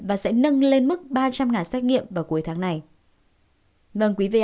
và sẽ nâng lên mức ba trăm linh xét nghiệm vào cuối tháng này